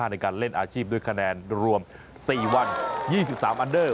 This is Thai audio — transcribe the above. ในการเล่นอาชีพด้วยคะแนนรวม๔วัน๒๓อันเดอร์